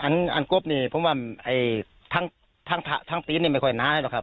ไอ้อันกบนี้ผมว่าไอ้ทั้งทั้งทั้งตีนนี้ไม่ค่อยหนานะครับ